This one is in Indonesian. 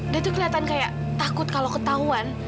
dia tuh keliatan kayak takut kalo ketahuan